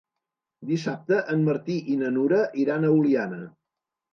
Dissabte en Martí i na Nura iran a Oliana.